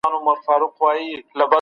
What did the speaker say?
معنوي سکون تر ډیرو پیسو غوره دی.